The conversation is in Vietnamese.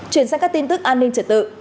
chuyển sang các tin tức an ninh trật tự